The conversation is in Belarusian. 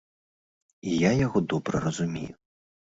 І я яго добра разумею.